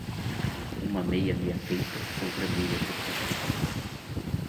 Uma meia meia feita, outra meia por fazer.